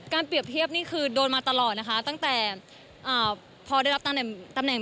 เปรียบเทียบนี่คือโดนมาตลอดนะคะตั้งแต่พอได้รับตำแหน่ง